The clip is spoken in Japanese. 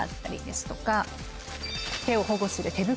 手を保護する。